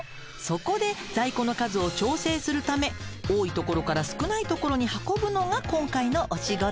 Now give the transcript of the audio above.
そこで在庫の数を調整するため多いところから少ないところに運ぶのが今回のお仕事。